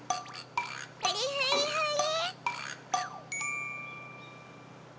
ふりふりふり。